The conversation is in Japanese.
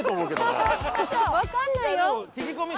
わかんないよ。